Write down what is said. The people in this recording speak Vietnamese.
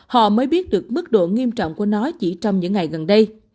họ mới biết được mức độ nghiêm trọng của nó chỉ trong những ngày gần đây